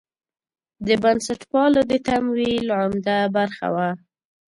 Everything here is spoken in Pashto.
د بنسټپالو د تمویل عمده برخه وه.